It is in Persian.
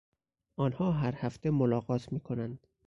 آنها هر هفته ملاقات میکنند.